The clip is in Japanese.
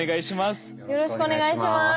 よろしくお願いします。